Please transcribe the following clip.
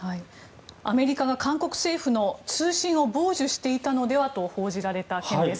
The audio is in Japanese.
アメリカが韓国政府の通信を傍受していたのではと報じられた件です。